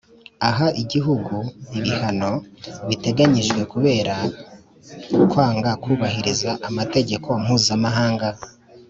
Aha Igihugu ibihano biteganyijwe kubera kwanga kubahiriza amategeko mpuzamahanga